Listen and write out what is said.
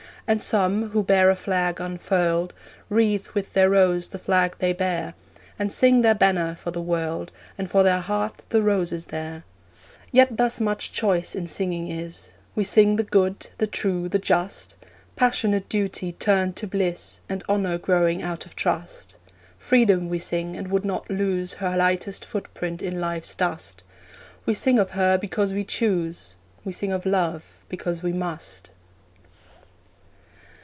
And some who bear a flag unfurled Wreathe with their rose the flag they bear, And sing their banner for the world, And for their heart the roses there. Yet thus much choice in singing is; We sing the good, the true, the just, Passionate duty turned to bliss, And honour growing out of trust. Freedom we sing, and would not lose Her lightest footprint in life's dust. We sing of her because we choose, We sing of love because we must.